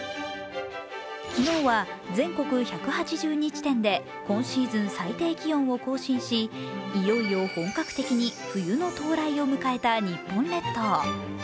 昨日は全国１８２地点で今シーズン最低気温を更新しいよいよ本格的に冬の到来を迎えた日本列島。